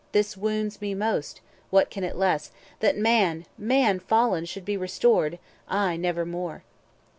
This wounds me most (what can it less?) that Man, Man fallen, shall be restored, I never more."